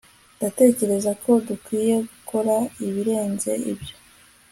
Ndatekereza ko dukwiye gukora ibirenze ibyo